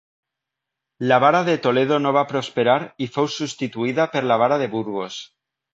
La vara de Toledo no va prosperar i fou substituïda per la vara de Burgos.